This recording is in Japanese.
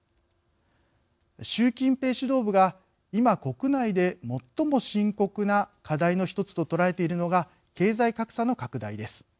習近平指導部が今国内で最も深刻な課題の一つと捉えているのが経済格差の拡大です。